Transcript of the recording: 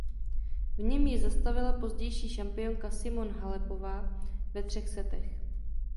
V něm ji zastavila pozdější šampionka Simona Halepová ve třech setech.